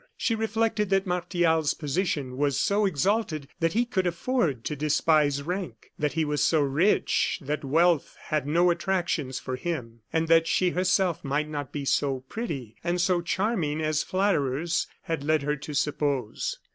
She reflected that Martial's position was so exalted that he could afford to despise rank; that he was so rich that wealth had no attractions for him; and that she herself might not be so pretty and so charming as flatterers had led her to suppose.